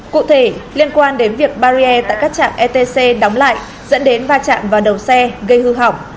cụ thể liên quan đến việc barrier tại các trạm etc đóng lại dẫn đến va chạm vào đầu xe gây hư hỏng